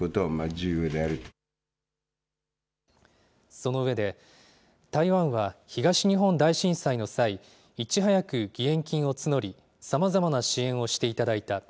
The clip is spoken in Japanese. その上で、台湾は東日本大震災の際、いち早く義援金を募り、さまざまな支援をしていただいた。